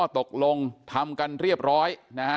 ตกลงทำกันเรียบร้อย